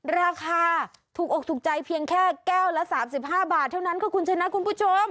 ราคาถูกอกถูกใจเพียงแค่แก้วละ๓๕บาทเท่านั้นค่ะคุณชนะคุณผู้ชม